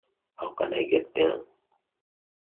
How can I get there?